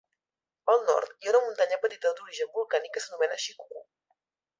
Al nord hi ha una muntanya petita d'origen volcànic que s'anomena Xicuco.